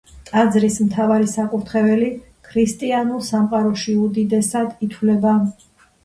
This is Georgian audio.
ტაძრის მთავარი საკურთხეველი ქრისტიანულ სამყაროში უდიდესად ითვლება.